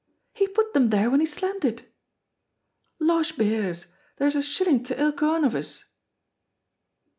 "He put them there when he slammed it!" "Losh behears! there's a shilling to ilka ane o' us."